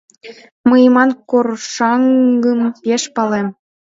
Мый иман коршаҥгым пеш палем.